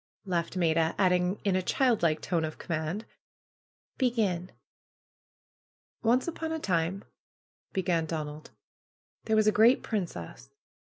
laughed Maida; adding in a child like tone of command, ^^Begin!" ^^Once upon a time," began Donald, ^Hhere was a great princess.